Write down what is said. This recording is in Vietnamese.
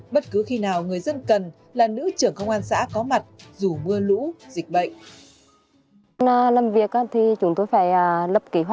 bất cứ khi nào người dân cần là nữ trưởng công an xã có mặt dù mưa lũ dịch bệnh